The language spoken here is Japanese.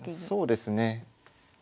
そうですね。